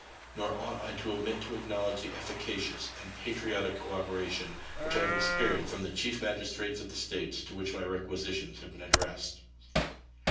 Nor ought I to omit to acknowledge the efficacious and patriotic cooperation which I have experienced from the chief magistrates of the States to which my requisitions have been addressed.